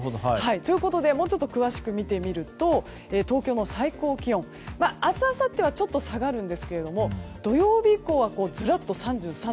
ということで詳しく見てみると東京の最高気温明日あさってはちょっと下がるんですけど土曜日以降は、ずらっと３３度。